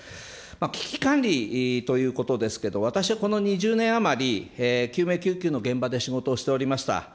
危機管理ということですけれども、私はこの２０年余り、救命救急の現場で仕事をしておりました。